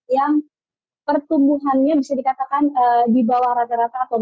yang pertumbuhannya bisa dikatakan di bawah rata rata